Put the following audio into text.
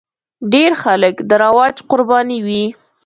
ډېر خلک د رواج قرباني وي.